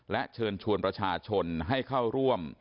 และเชิญชวนประชาชนให้เข้าร่วม